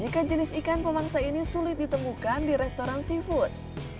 tapi ikan pemangsa ini sulit ditemukan di restoran seafood